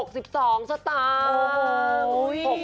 ๖๒สตางค์